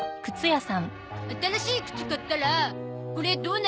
新しい靴買ったらこれどうなるの？